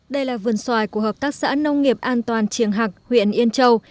đây là vườn xoài của hợp tác xã nông nghiệp an toàn triềng hạc huyện yên châu